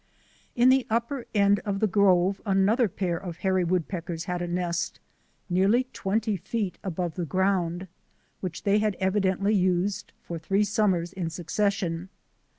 In the upper end of the grove another pair of hairy woodpeckers had a nest, nearly twenty feet above the ground, which they had evidently used for three summers in succession.